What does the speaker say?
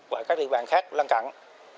và các địa bàn khác lăn cẳng